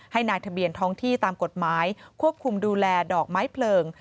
ให้นายทะเบียนท้องที่ตามกฎหมายควบคุมดูแลดอกไม้เพลิง